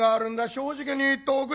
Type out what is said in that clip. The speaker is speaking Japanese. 正直に言っておくれ」。